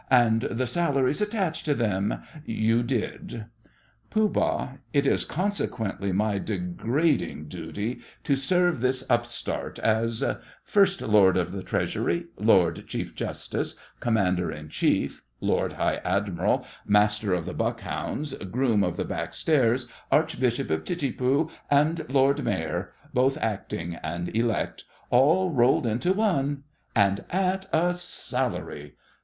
And the salaries attached to them? You did. POOH. It is consequently my degrading duty to serve this upstart as First Lord of the Treasury, Lord Chief Justice, Commander in Chief, Lord High Admiral, Master of the Buckhounds, Groom of the Back Stairs, Archbishop of Titipu, and Lord Mayor, both acting and elect, all rolled into one. And at a salary!